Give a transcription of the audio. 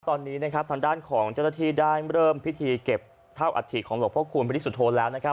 ตอนนี้ทางด้านของเจ้าหน้าที่ได้เริ่มพิธีเก็บเท่าอัตถีของหลวงพ่อคูณไปที่สุโทรแล้ว